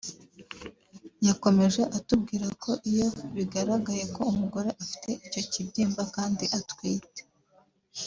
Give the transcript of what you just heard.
yakomeje atubwira ko iyo bigaragaye ko umugore afite icyo kibyimba kandi atwite